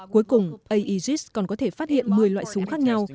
cuối cùng aegis còn có thể phát hiện một mươi loại súng khác nhau